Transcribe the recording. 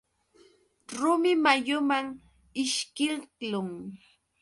Rumi mayuman ishkiqlun.